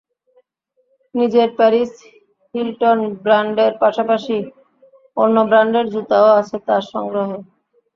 নিজের Paris Hilton ব্র্যান্ডের পাশাপাশি অন্য ব্র্যান্ডের জুতাও আছে তাঁর সংগ্রহে।